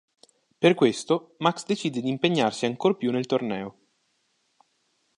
Per questo, Max decide d'impegnarsi ancor più nel torneo.